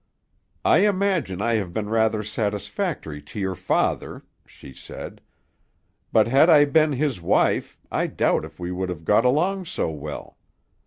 "I imagine I have been rather satisfactory to your father," she said, "but had I been his wife I doubt if we would have got along so well.